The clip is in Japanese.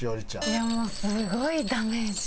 いやもうすごいダメージ。